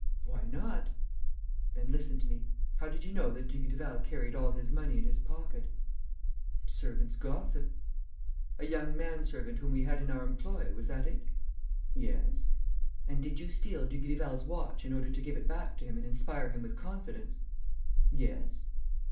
"Why not?" "Then listen to me. How did you know that Dugrival carried all his money in his pocket?" "Servants' gossip...." "A young man servant whom we had in our employ: was that it?" "Yes." "And did you steal Dugrival's watch in order to give it back to him and inspire him with confidence?" "Yes."